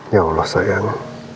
ya allah sayang